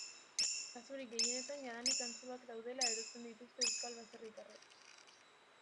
Kasurik gehienetan jadanik antzuak daudela erosten dituzte euskal baserritarrek.